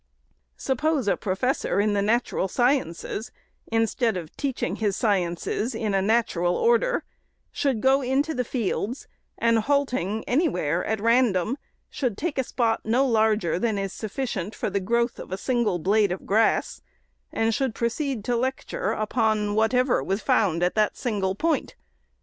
Sup pose a professor in the natural sciences, instead of teach ing his sciences in a natural order, should go into the fields, and halting anywhere, at random, should take a spot no larger than is sufficient for the growth of a single blade of grass, and should proceed to lecture upon what ever was found at that single point.